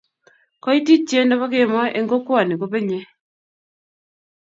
koititye nebo kemoi en kokwoni kobenyei